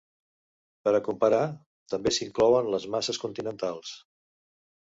Per a comparar, també s'inclouen les masses continentals.